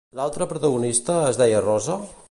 L'altra protagonista es deia Rosa?